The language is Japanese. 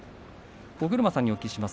尾車さんにお聞きします。